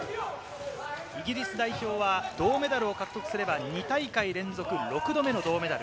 イギリス代表は銅メダルを獲得すれば２大会連続、６度目の銅メダル。